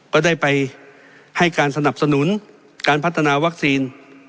ก็ได้ไปให้การสนับสนุนการพัฒนาวัคซีน